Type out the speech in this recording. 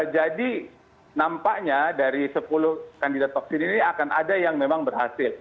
jadi nampaknya dari sepuluh kandidat vaksin ini akan ada yang memang berhasil